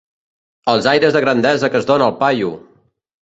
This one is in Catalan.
Els aires de grandesa que es dona el paio!